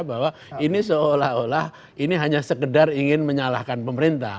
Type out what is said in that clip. bahwa ini seolah olah ini hanya sekedar ingin menyalahkan pemerintah